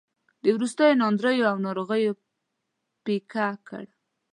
د وروستیو ناندریو او ناروغیو پېکه کړ.